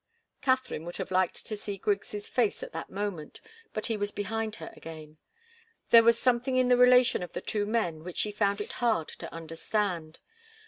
Katharine would have liked to see Griggs' face at that moment, but he was behind her again. There was something in the relation of the two men which she found it hard to understand.